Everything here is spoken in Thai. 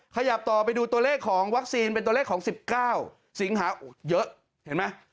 ขยับต่อไปดูตัวเลขของวัคซีนเป็นตัวเลขของ๑๙สิงหาเยอะเห็นไหม